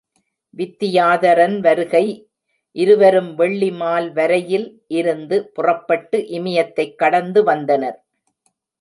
வித்தியாதரன் வருகை இருவரும் வெள்ளிமால் வரையில் இருந்து புறப்பட்டு இமயத்தைக் கடந்து வந்தனர்.